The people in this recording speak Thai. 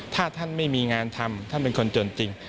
ถ้าท่านไม่มีงานทำท่านเป็นคนจนจริง